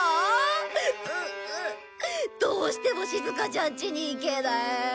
ううっどうしてもしずかちゃんちに行けない。